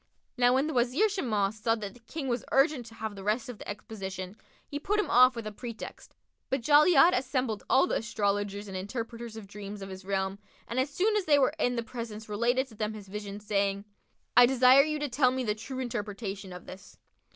Now when the Wazir Shimas saw that the King was urgent to have the rest of the exposition, he put him off with a pretext; but Jali'ad assembled all the astrologers and interpreters of dreams of his realm and as soon as they were in the presence related to them his vision, saying, "I desire you to tell me the true interpretation of this."